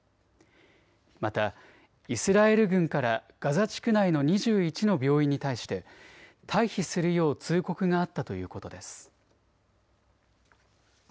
またイスラエル軍からガザ地区内の２１の病院に対して退避するよう通告があったということです。